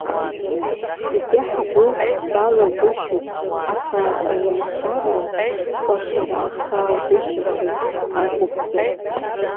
Зегьы ҳгәы былгәышьоит, аха лымшара кәашарахагәышьеит акәымзар!